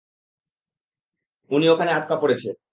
উনি ওখানে আটকা পড়েছে।